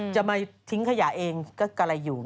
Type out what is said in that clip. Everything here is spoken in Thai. จะมาทิ้งขยะเองก็กะไรอยู่